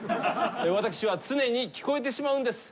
私は常に聴こえてしまうんです。